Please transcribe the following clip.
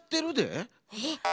えっ？